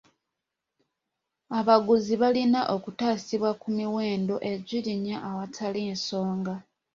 Abaguzi balina okutaasibwa ku miwendo egirinnya awatali nsonga.